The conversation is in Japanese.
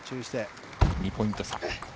２ポイント差。